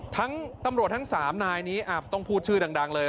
ทั้งตำรวจทั้ง๓นายนี้ต้องพูดชื่อดังเลย